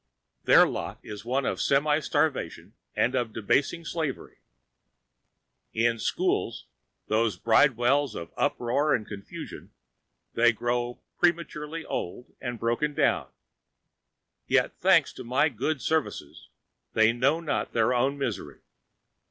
Their lot is one of semi starvation and of debasing slavery. In the schools, those bridewells of uproar and confusion,137 they grow prematurely old and broken down, Yet, thanks to my good services, they know not their own misery.